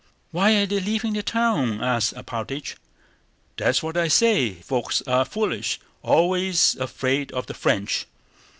"Why are they leaving the town?" asked Alpátych. "That's what I say. Folks are foolish! Always afraid of the French."